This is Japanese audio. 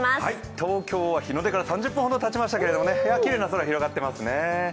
東京は日の出から３０分ほどたちましたけどきれいな空、広がってますね。